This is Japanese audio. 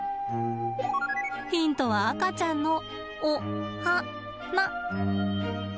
ヒントは赤ちゃんのおはな。